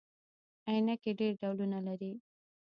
عینکي ډیر ډولونه لري